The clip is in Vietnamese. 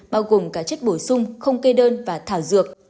bao gồm cả chất bổ sung không kê đơn và thảo dược